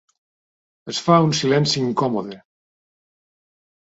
Es fa un silenci incòmode.